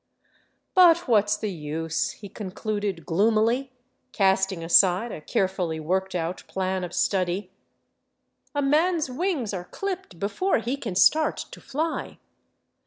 " But what 's the use ?" he concluded gloomily, casting aside a care fully worked out plan of study. " A man's wings are clipped before he can start to fly.